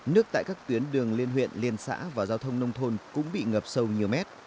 nước tại các tuyến đường liên huyện liên xã và giao thông nông thôn cũng bị ngập sâu nhiều mét